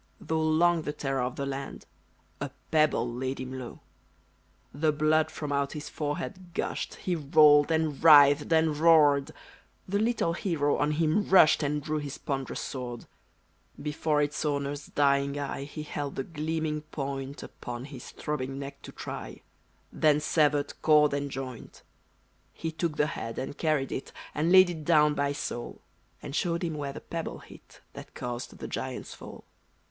Though long the terror of the land, A pebble laid him low. The blood from out his forehead gushed. He rolled, and writhed, and roared: The little hero on him rushed, And drew his ponderous sword. Before its owner's dying eye He held the gleaming point Upon his throbbing neck to try; Then severed cord and joint. He took the head, and carried it And laid it down by Saul; And showed him where the pebble hit That caused the giant's fall.